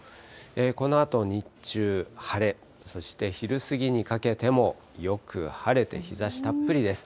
このあと日中、晴れ、そして昼過ぎにかけてもよく晴れて、日ざしたっぷりです。